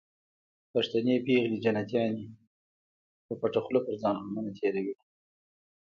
پښتنې پېغلې جنتيانې په پټه خوله په ځان غمونه تېروينه